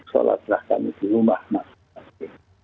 sholatlah kami di rumah masing masing